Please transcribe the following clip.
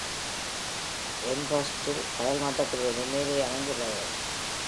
Elmhurst கடல் மட்டத்திலிருந்து மேலே அமைந்துள்ளது.